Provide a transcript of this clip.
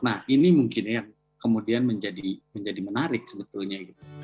nah ini mungkin yang kemudian menjadi menarik sebetulnya gitu